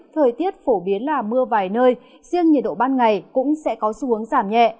thời tiết phổ biến là mưa vài nơi riêng nhiệt độ ban ngày cũng sẽ có xu hướng giảm nhẹ